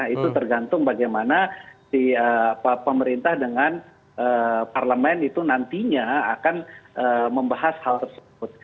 itu tergantung bagaimana si pemerintah dengan parlemen itu nantinya akan membahas hal tersebut